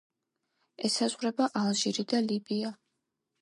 ესაზღვრება ალჟირი და ლიბია.